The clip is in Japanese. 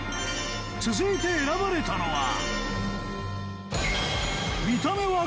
続いて選ばれたのは